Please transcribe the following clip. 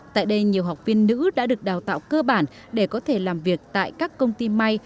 tại đây nhiều học viên nữ đã được đào tạo cơ bản để có thể làm việc tại các công ty may